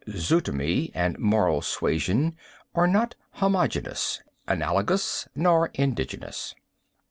Zootomy and moral suasion are not homogeneous, analogous, nor indigenous.